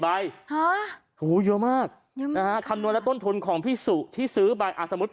เยอะมากนะฮะคำนวณและต้นทุนของพี่สุที่ซื้อไปอ่ะสมมุติ